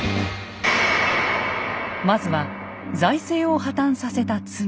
まずは財政を破綻させた罪。